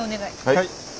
はい。